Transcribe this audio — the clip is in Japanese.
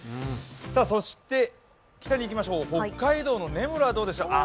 そして北に行きましょう、北海道の根室はどうでしょう。